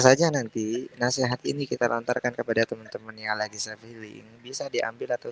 saja nanti nasihat ini kita lantarkan kepada temen temen yang lagi sepiling bisa diambil atau